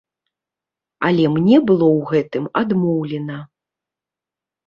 Але мне было ў гэтым адмоўлена.